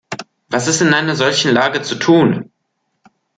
Was ist in einer solchen Lage zu tun?